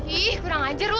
ih kurang ajar lo